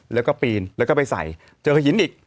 แล้วก็ปีนแล้วก็ไปใส่เจอหินอีก